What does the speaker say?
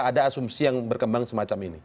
ada asumsi yang berkembang semacam ini